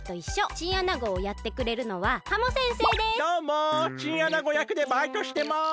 チンアナゴやくでバイトしてます。